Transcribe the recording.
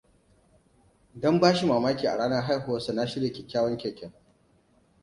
Don ba shi mamaki a ranar haihuwarsa, Na shirya kyakkyawan keken.